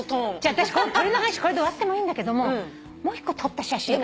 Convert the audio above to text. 私この鳥の話これで終わってもいいんだけどもう１個撮った写真が。